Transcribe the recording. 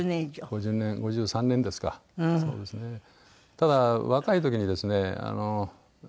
ただ若い時にですね